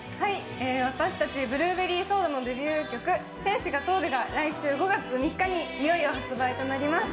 私たちブルーベリーソーダのデビュー曲「天使が通る」が来週５月３日にいよいよ発売になります。